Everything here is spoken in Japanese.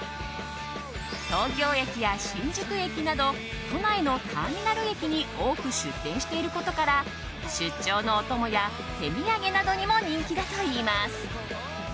東京駅や新宿駅など都内のターミナル駅に多く出店していることから出張のお供や手土産などにも人気だといいます。